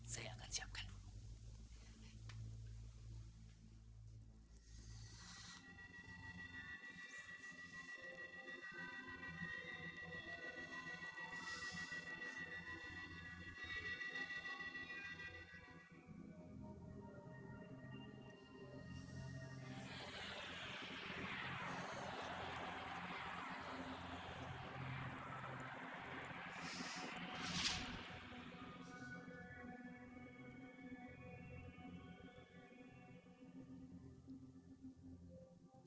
saya akan siapkan dulu